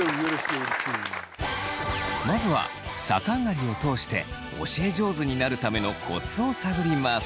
まずは逆上がりを通して教え上手になるためのコツを探ります。